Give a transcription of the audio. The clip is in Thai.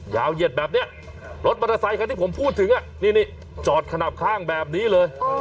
เหยียดแบบนี้รถมอเตอร์ไซคันที่ผมพูดถึงนี่จอดขนับข้างแบบนี้เลย